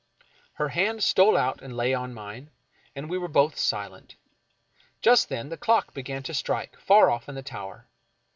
Her hand stole out and lay on mine, and we were both silent. Just then the clock began to strike far off in the tower.